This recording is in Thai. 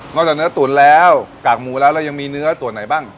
จากเนื้อตุ๋นแล้วกากหมูแล้วเรายังมีเนื้อส่วนไหนบ้าง